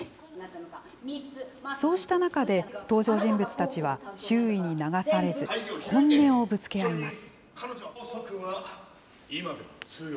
そうした中で、登場人物たちは周囲に流されず、本音をぶつけ合います。